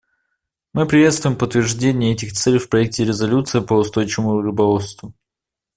Мы приветствуем подтверждение этих целей в проекте резолюции по устойчивому рыболовству.